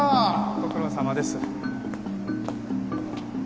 ご苦労さまです。